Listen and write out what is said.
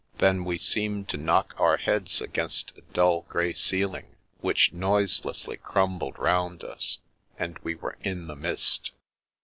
Then we seemed to knock our heads against a dull grey ceil ing, which noiselessly crumbled round us, and we were in the mist.